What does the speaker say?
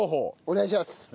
お願いします。